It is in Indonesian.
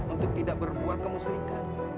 untuk tidak berbuat kemusrikan